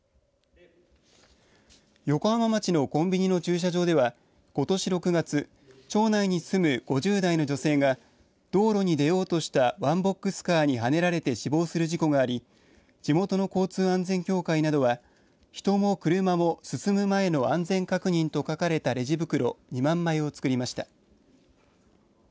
横浜町のコンビニの駐車場ではことし６月、町内に住む５０代の女性が道路に出ようとしたワンボックスカーにはねられて死亡する事故があり地元の交通安全協会などは人も、車も、進む前の安全確認！と書かれたレジ袋２万枚をつくりました。